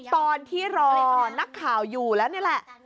ตอนที่รอนักข่าวอยู่แล้วนี่แหละ